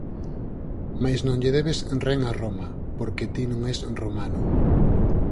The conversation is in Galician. Mais non lle debes ren a Roma, porque ti non es romano.